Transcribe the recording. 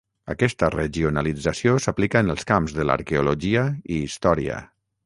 Aquesta regionalització s'aplica en els camps de l'arqueologia i història.